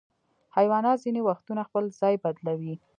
حیوانات ځینې وختونه خپل ځای بدلوي.